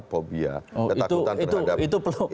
pobia ketakutan terhadap